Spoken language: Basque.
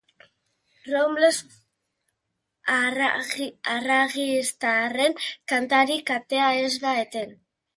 Robles-Arangiztarren kantari katea ez da eten.